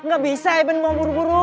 gak bisa even mau buru buru